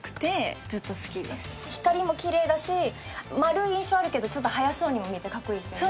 光もきれいだし丸い印象あるけどちょっと速そうにも見えてかっこいいですよね。